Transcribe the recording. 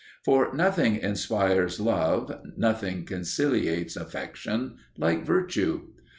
For nothing inspires love, nothing conciliates affection, like virtue.